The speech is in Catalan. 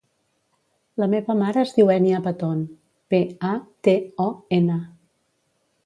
La meva mare es diu Ènia Paton: pe, a, te, o, ena.